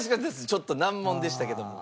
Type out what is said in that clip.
ちょっと難問でしたけども。